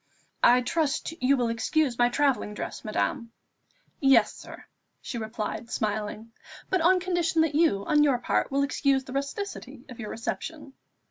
"I trust you will excuse my travelling dress, madame." "Yes, sir," she replied smiling; "but on condition that you, on your part, will excuse the rusticity of your reception."